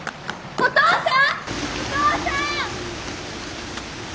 お父さん！